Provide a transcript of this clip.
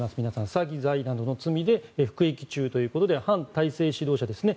詐欺などの罪で服役中ということで反体制指導者ですね。